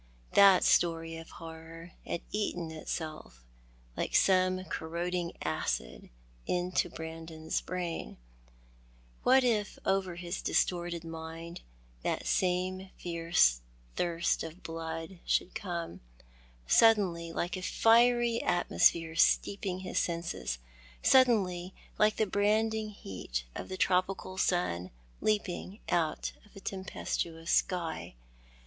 That story of horror had eaten itself, like some corroding acid, into Brandon's brain. What if over his distorted mind that same fierce thirst of blood should come — suddenly, like a fiery atmosphere steeping his senses — suddenly, like the brand ing heat of the tropical sun leaping out of a tempestuous sky